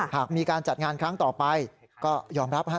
หากมีการจัดงานครั้งต่อไปก็ยอมรับ